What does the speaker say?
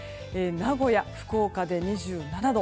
名古屋、福岡で２７度。